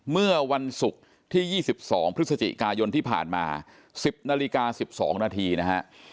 เมื่อวันศุกร์ที่๒๒พฤศจิกายนที่ผ่านมา๑๐นาฬิกา๑๒นาทีนะฮะ